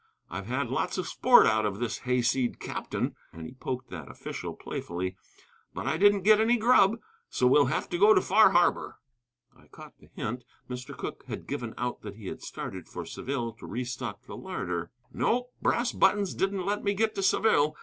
I've had lots of sport out of this hayseed captain" (and he poked that official playfully), "but I didn't get any grub. So we'll have to go to Far Harbor." I caught the hint. Mr. Cooke had given out that he had started for Saville to restock the larder. "No," he continued, "Brass Buttons didn't let me get to Saville.